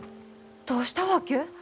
どうしたわけ？